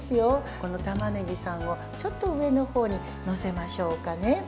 このたまねぎさんを、ちょっと上のほうに載せましょうかね。